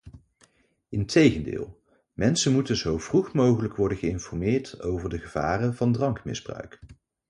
Integendeel, mensen moeten zo vroeg mogelijk worden geïnformeerd over de gevaren van drankmisbruik.